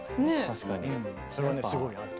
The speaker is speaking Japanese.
確かに。